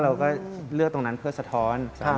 เราก็เลือกตรงนั้นเพื่อสะท้อน